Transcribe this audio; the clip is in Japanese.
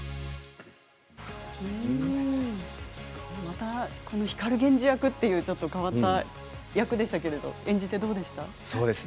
また光源氏役と変わった役でしたけれども演じてどうでした？